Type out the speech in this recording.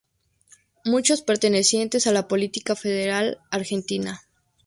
Muchos pertenecientes a la Policia Federal Argentina.